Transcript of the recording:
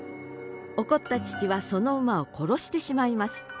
怒った父はその馬を殺してしまいます。